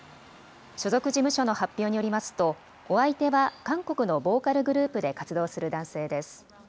所属事務所の発表によりますと、お相手は韓国のボーカルグループで活動する男性です。